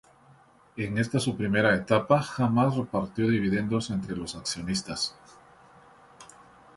En esta su primera etapa, jamás repartió dividendos entre los accionistas.